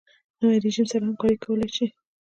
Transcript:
نوی رژیم سره همکاري کولای شي.